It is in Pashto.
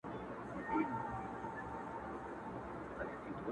• څوك وتلى په شل ځله تر تلك دئ,